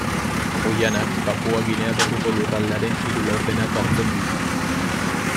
Oihanak Papua Ginea Berriko lurraldearen hiru laurdenak hartzen ditu.